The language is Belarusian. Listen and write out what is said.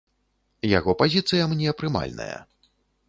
Яго пазіцыя мне прымальная.